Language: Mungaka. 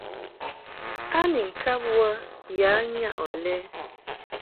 A ni ŋkab wə ya nyaʼ ɔ lɛ ?